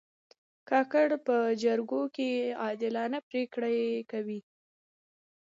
کاکړ په جرګو کې عادلانه پرېکړې کوي.